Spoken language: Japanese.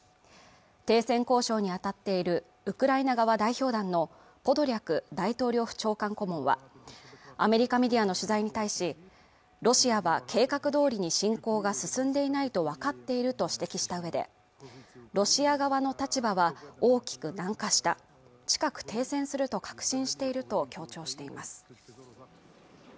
停戦交渉に当たっているウクライナ側代表団のポドリャク大統領府長官顧問はアメリカメディアの取材に対しロシアは計画どおりに侵攻が進んでいないと分かっていると指摘したうえでロシア側の立場は大きく軟化した近く停戦すると確信していると強調しています